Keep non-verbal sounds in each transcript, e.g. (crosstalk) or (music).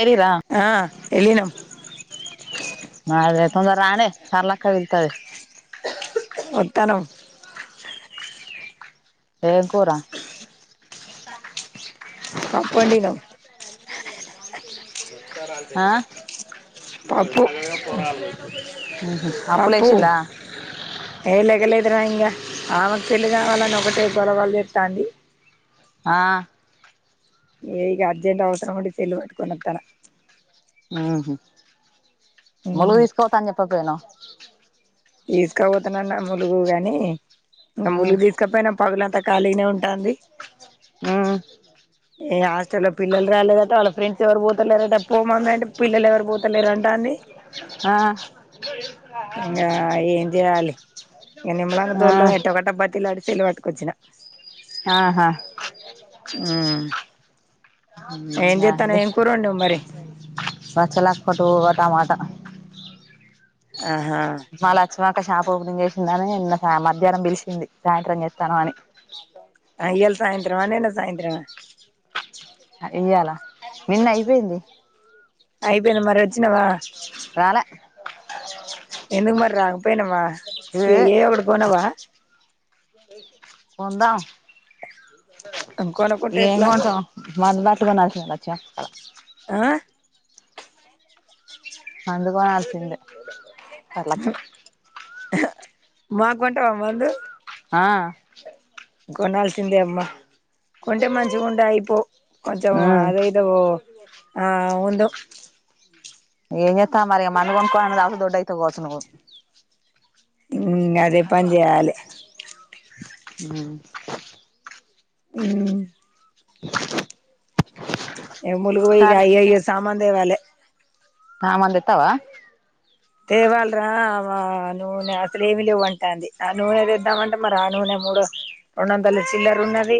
ఏరిరా ఆ ఎళ్లినం సరళక్క దిగతాది ఒత్తనం ఏం కూర పప్పు వండినం (unintelligible) ఇంకా ఆ రాలిపోయింద పత్తి పప్పు ఉహు పప్పు అప్పులేసిందా ఏ లేగలె వద్దురా ఇంగా ఆమెకు పెళ్ళి కావాలని ఒకటే గొల గొల చేస్తాంది ఆ ఎ ఇగ అర్జెంట్ అవసరం ఉండి సెల్ వట్టుకొని వత్తన్నా ఆ హ ములుగు ఉమ్ దీసుకుపోతా అని జెప్పక పొయ్యినావ్ తీసకబొతన్న అన్న ములుగు గాని ఇంగ ఉమ్ ములుగు దీసక పోయిన పగలంతా ఖాళీ గనే ఉంటాంది ఆ ఏ ఆస్టల్లో పిల్లలు రాలేదంట వాళ్ళ ఫ్రెండ్స్ ఎవరు పోతలేరారంట పో మమ్మీ అంట పిల్లలు ఎవరు పోతలేరుంట అంటంది ఆ ఇంగా ఏం జేయాలి ఇంగ నిమ్మళంగా ఆ దోల్డమె ఎట్టో అట్ట బతిలాడి సెల్లు వట్టికొచ్చిన ఆహా (inaudible) ఊ ఏం చేత్తన్నావ్ అంది ఏం కూర వండినావ్ మరి బచ్చలి ఆకు ఒక టమాటా ఆహా లక్ష్మక్క షాప్ ఓపెనింగ్ చేసిందని నిన్న మధ్యాహ్నం పిలిచింది సాయంత్రం చేత్తాను అని ఆ ఇయల సాయంత్రం ఆ నిన్న సాయంత్రం ఆ ఇయాల నిన్న అయిపెయింది అయిపోయింద మరి వొచ్చినవా రాలా ఎందుకు మరి రామ్ పోయినవా ఏ ఏదో ఒకటి కొనవా కొందాం కొనకుంటే ఏం ఎట్లా గొంటామ్ వాట్ల్ బాట్ల్ కొనాల్సిందే చెస్ఫల ఆ పండ్లు కొనాల్సిందే (unintelligible) అహ మాక్కొంటవా మందు ఆ కొనాల్సిందే అమ్మ కొంటే మంచిగుంటాయిపో కొంచెం ఉమ్ అదేదో ఆ అవును ఏంజేత్తాం మరిగ మందు కొనుకోనన్న దాగు దొడ్డైతే కోచ్నవు మ్మ్ అదే పని జెయాలి మ్మ్ మ్మ్ (inaudible) ఏ ములుగు బొయిగ అయయ్యే సామాన్ దేవాలేె సామాన్ దెత్తావా తేవాల్రా ఆ నూనె అసలు ఏవీ లెవ్వంటాంది, ఆ నూనె దెద్దామంటే మరి ఆ నూనె మూడు రొండొందలు చిల్లరున్నది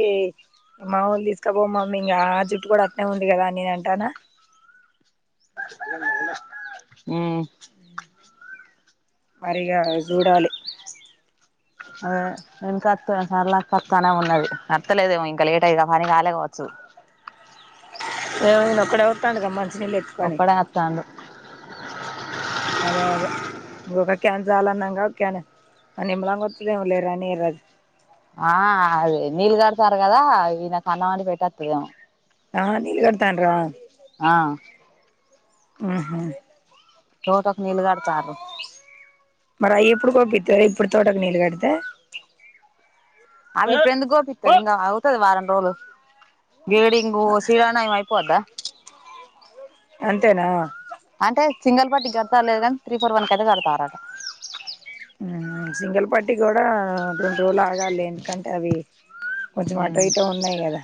మాములు తీసుకపో మమ్మీ ఇంగ ఆ జుట్టు కూడా అట్నే ఉంది గదా అని నేనంటాన్నా. మ్మ్ మరిగా జూడాలి అ ఇంకత్త సరళతత్తనా ఉన్నది అత్తలేదేమో ఇంక లేటయిద మరి (unintelligible) వచ్చు ఏమైంది ఒక్కడే వత్తాండుగా మన్ ఒక్కడే అత్తాండు అదే అదే (unintelligible) క్యాన్సలాన్నంగా క్యాన్ అ నిమ్మలాంగా వత్తు లేర నీరజ్ ఆ అది నీళ్ళుగడతారు గదా ఈనకనాడ్ (unintelligible) ఆ నీలుగడ్తాండ్రా ఆ ఊహు తోటకు నీళుగడతార్రు మరయి ఎప్పుడు కోపిత్తరే ఇప్పుడు తోటకు నీళ్ళు గడితే అవి ఇప్పుడెందుకు గోపిత్తది ఇంగ అవుతది వారం రోలు గేడింగు శిరాణయం అయిపోద్దా అంతేనా అంటే సింగల్ పట్టి గడతా లేద త్రీ ఫోర్ వన్ కదే గడతారట మ్మ్ సింగల్ పట్ టి గూడా రొండు రోలు ఆగాలి ఎందుకంటే అవి కొంచెం ఉమ్ అటోఇటో ఉన్నాయి గదా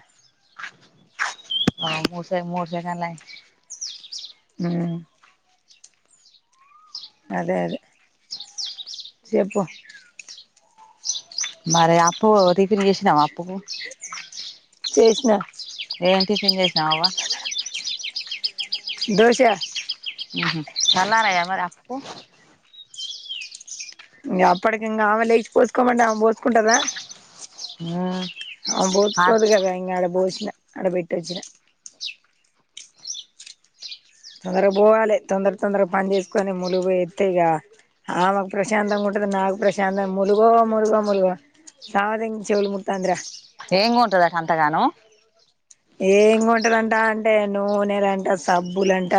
(inaudible) ఆ అదే అదే చెప్పు మరి అప్పు రిపిన్ చేసినావ అప్పు చేసిన ఏంటి టిఫిన్ చేసినవు నావా దోశ చలా రా అరి ఆ ఇంకా అప్పటికి ఇంకా ఆమె లేచి పోసుకోమండి ఆమె పోసుకుంటదా ఉమ్ బోతు ఆ కొదుగా క ఆడ బో అ ఆడ పెట్టి వచ్చిన తొందరగా పోవాలి తొందర తొందరగా పని చేసుకొని ములుగు ఎస్తా ఇక ఆమెకు ప్రశాంతంగా ఉంటది నాకు ప్రశాంతం ములుగో ములుగో ములుగో సావదం చెవులు ముతందిరా ఏం కొంటది అంతగానూ ఏం కొంటాడంట అంటే నూనెలుంట సబ్బులుంట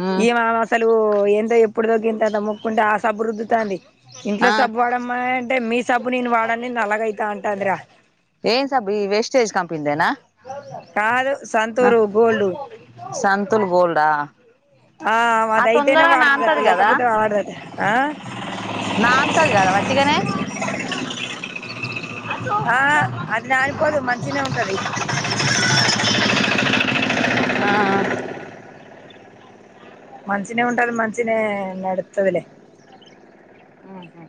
ఉమ్ ఈ మా అసలు ఏందో ఎప్పుడు తగ్గింతో ముక్కుంటే ఆ సబ్బు రుద్దుతాంది ఇంట్లో ఆ సబ్బు వాడమా అంటే మీ సబ్బు నేను వాడడాన్ని నలాగైతా అంటాదిరా ఏన్ సబ్ ఈ వేస్టేజ్ కంపెనీ దేనా కాదు సంతూరు గోల్డు దా ఆ మదఐతేేనే వాదుతా లేకపోతే వాడది అట ఆ నానతది కాదా వట్టిగానే ఆ అది నానిపోదు మంచినే ఉంటది ఆ మనషినే ఉంట అది మనషిన నడుతదిలే ఆహ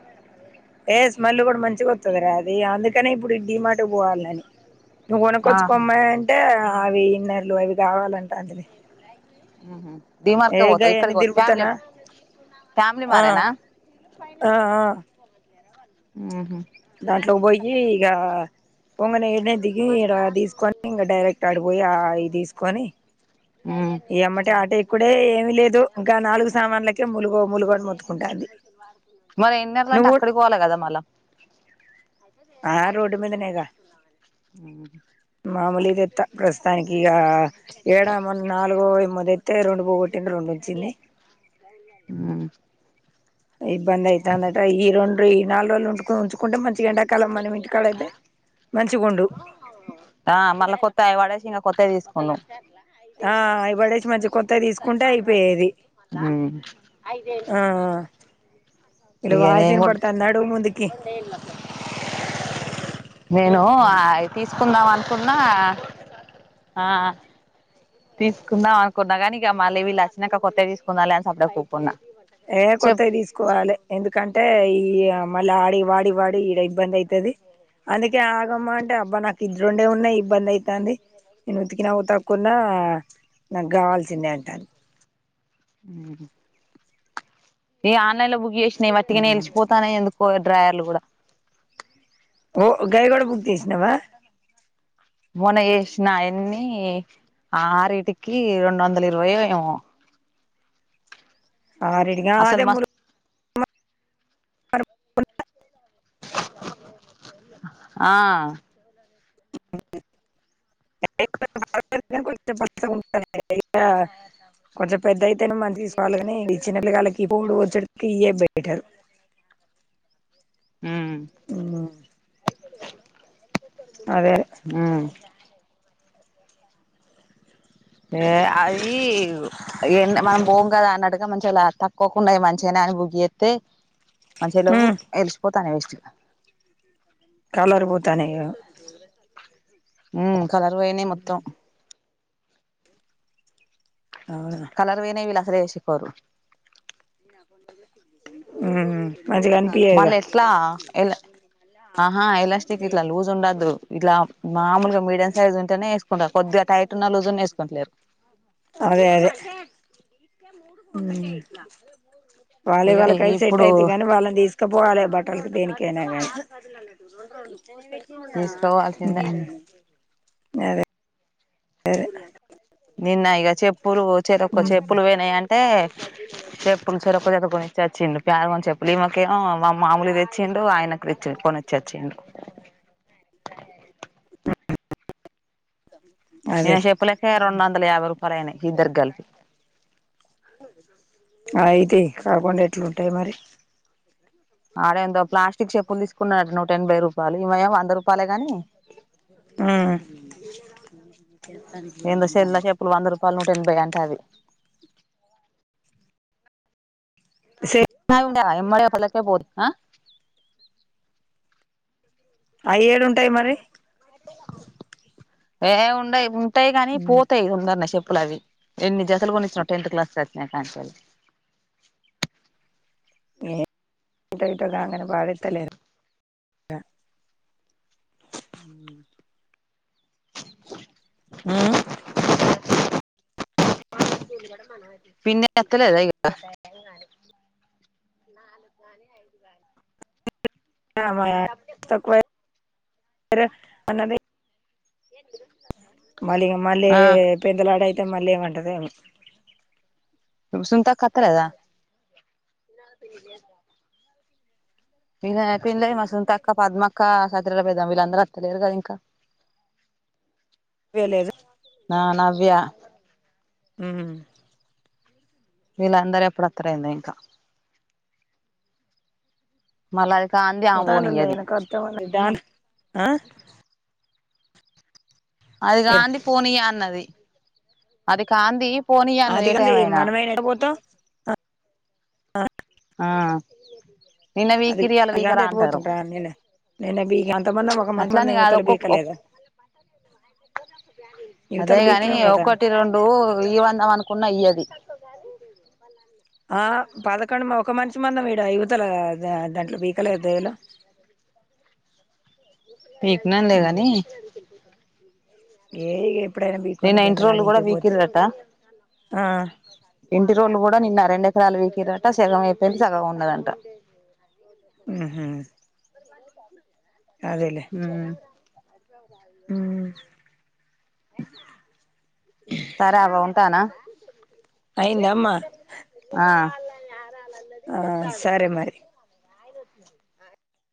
ఏ స్మెల్ కూడా మంచిగా వతుంది రా అది అందుకనే ఇప్పుడు డీ మార్ట్ పోవాలని నువ్వునకొచ్చు ఆహా కొమ్మనీ అంటే అవి ఇన్నర్లు అవి కావాలంటది ఆహ ఏగాయన్నన్ని తిరుగుతానా ఫ్యామిలీ ఆ మారేనా ఆ ఆహ దాంట్లో పోయి ఇక పొంగన ఏడనే దిగి ఇ తీసుకొని ఇంకా డైరెక్ట్ ఆడిపోయి ఆ ఇ తీసుకొని ఏమా సామాన్లకే ములుగో ములుగో అని మొత్తుకుంటాంది మరి ఇన్నర్లు అంటే నువ్వు అక్కడ పోవాల కదా మళ ఆ రోడ్డు మీదనేగా ఆమ్ అ మలీదెత్త ప్రస్తుతానికి ఇక ఏడా నాలుగో ఏమో తే రొండు పోగొట్టింది రొండు ఉంచింది ఇబ్బంది అయితుందట ఈ రెండు ఈ నాలుగు రోజులు ఉండుకొని ఉంచుకుంటే మంచిగా ఎం హ మళ్ళ కొత్త అయి పడేసి ఇంగ కొత్తయి తీసుకున్నాం ఆ అయి బడేషి మంచిగ ఆమ్ వీళ్ళ వాయిస్ వినపడుతోంది నడువు ముందుకి నేను అయి తీసుకుందాం అను ఉన్నవా ఆ తీసుకుందాం అనుకున్నా కానీ ఇక మళ్ళీ వీళ్ళచ్చినాక కొత్తవి తీసుకుందాలే అని సప్పుడేక్ ఊకున్నా ఏ చెప్ కొత్తవి తీసుకోవాలి ఎందుకంటే ఈ ఈ మళ్ళీ ఆడి వాడి వాడి ఈడ ఇబ్బంది అవుతది అందుకే ఆగమ్మ అంటే అబ్బా నాకు ఇది రొండే ఉన్నయి ఇబ్బంది అయితుంది నేను ఉతికిన ఉతకున్నా నాకు కావాల్సిందే అంటంది ఏ ఆన్లైన్ లో బుక్ చేస్ నాయి వట్టిగానే ఎల్సిపోతానాయి ఎందుకు కో డ్రయర్లు కూడా ఓ గైగుడ బుక్ చేసినవా మోన్న చేసిన ఎన్ని ఆరీటికి రెండు వందల ఇరవై ఓ ఏమో ఆరిటిక అసలు అదే మురు మస్త్ (inaudible) ఆ (inaudible) కొంచం కొంచెం పెద్ద అయితేనే మన తీసుకోవాళ్ళ కాని చిన్నపొరగల్లకి పోవుడు వచ్చడు ఇయ్యే బెటరు హ్మ్ అదే ఆ ఏ అది ఎ మనం పోమ్ కదా అన్నట్టుగా మంచిగా తక్కువకు ఉన్నయ్ మంచిగనే అని బుక్ చేస్తే మంచిగ లెవ్వు ఎలిసిపో తాన్నయి వెస్ట్గా కలర్ పోతాన్నయి ఉ కలర్ పోయినయి మొత్తం అవునా కలర్ పోయినయి విలా రేషిక్ పోరు (unintelligible) ఉమ్ మల్ ఎట్లా ఎలా ఆహా ఎలాస్టిక్ ఇట్లా లూజ్ ఉండద్దు ఇట్లా మామూలుగా మీడియం సైజ్ ఉంటేనే కుంటార్ కొద్దిగా టైట్ ఉన్న లూజున్న వేసుకోంట్ ట్లేర్ అదే అదే ఉమ్ వాళ్ళయి ఇగ వాళ్ళకై సెట్ ఇప్పుడు అయితయి గానీ వాళ్ళని తీసుకపోవాల బట్టలకి దేనికి క తీసుకోవాల్సిందే (unintelligible) (unintelligible) అదె అద్ నిన్న ఇగ చెప్ ఊర్ వచేటప్ (unintelligible) చెప్పులు పోయినాయంటే చెప్పులు చేర్ ఒక జత కొనిచ్చచ్చిండు ప్యార్ వాన్ చెప్పులు ఈమకేమో మా మాముూలు తెచ్చిండు ఆయనక్ తెచ్ కొనిచ్చచ్చిడు (unintelligible) అదే ఈయ్ చెప్పులకే రెండు వందల యాభై రూపాయలు అయినాయి ఇద్దరు కలిపి అయిత్ కాకుండా ఎట్లుంటాయి మరి ఆడ ఏందో ప్లాస్టిక్ చెప్పులు తీసుకున్నర్ నూట ఎనభై రూపాయలు ఇవ ఎమ్ వంద రూపాయలేగాని ఆ ఏందో చిన్న చెప్పులు వంద రూపాయలు నూట ఎనభై అంట అవి సే ఉం టయ్ యి డయ యమ్ (unintelligible) మల్ (unintelligible) అలకే పోతుందా అ ఐ ఏడ్ ఉంటాయి మరి ఏ ఉండయి పో ఉంటాయి కానీ పోతాయి ఉందన్ చెప్ చెప్పుల్ అవి ఎన్ని జతలు కోనిచ్చినో టెన్త్ క్లాస్ వచ్చిన కంచేల్లి (unintelligible) ఇట్ట ఇట్టగాంగనే పడేత్తలేర్ (unintelligible) ప్చ్ ఉమ్ పిన్ని ఎత్తలేద ఇగ ననే ఆహ్ (unintelligible) ఆ మా య (unintelligible) తక్కువై ర్ (unintelligible) అన్నది ఏంది (unintelligible) టిరు మల్గీ మళ్ళీ పెందల ఆడై మళ్లీ ఏమంటదో ఏమో సునీతక్క అత్తలేదా ఇంక పెళ్ళైయి మా సునీత అక్క పద్మక్క సత్రల పెద్దామ్మ వీళ్ళందరూ వత్తలేరు కదా ఇంకా ఏమో లేదు నా నా వ్యా ఊ వీళ్ళందరూ ఎప్పుడొత్తరో ఏందో ఇంకా మళ్ళా అది కాంది ఆమె పోతాండ్రు పోనియ్యది వెనుక వత్తమని దాని ఆహ అది కంది పోనియా అన్నది అది కాందీ అదిగంది మనమే ఎడపోతాం ఆహ ఆహ నిన్న అది పికిరి ఇయాల అది పికరా కాంది ఎట్ట అంటారు పోతాం రా నేనే నిన్న బీకి అంతమందం ఒక మంచి అట్లాని మందం కాదు యువతల ఒక్కొక్క ఒక్ బీకలేదా (inaudible) అదే యువతల కాని బీకినాం కదా ఒకటి రెండు ఇయ్యమందం అనుకున్న ఇయ్యదు (unintelligible) ఆ పదకొండు ఒక మనిషి మందం ఈడ ఇవుతల దా దాంట్లో పీకలేదా దొయాలో పీకినమ్ లేే కాని ఏ ఇగ ఎపు నిన్న ఇంటిరోలు కూడా పీకిరు ఆట ఆహ ఇంటిరోలు కూడా నిన్న రెండు ఎకరాలు పీకిరు ఆట సగం అయిపోయింది సగం ఉన్నదంట ఉహూ ఊహు (inaudible) ఊహు సరే అవ్వ ఉంటానా అయిందమ్మా ఆ ఆ సరే మరి